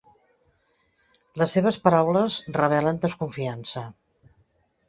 Les seves paraules revelen desconfiança.